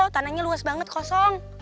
tanahnya luas banget kosong